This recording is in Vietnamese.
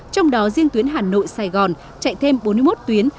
trong đó riêng tuyến hà nội sài gòn chạy thêm bốn mươi một tuyến